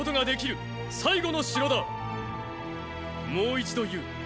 もう一度言う。